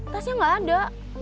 tasnya gak ada